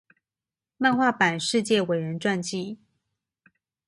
漫畫版世界偉人傳記